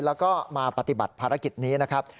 แล้วก็มาปฏิบัติภารกิจนี้นะครับ